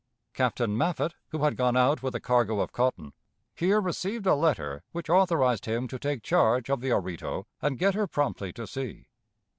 Captain Maffitt, who had gone out with a cargo of cotton, here received a letter which authorized him to take charge of the Oreto and get her promptly to sea.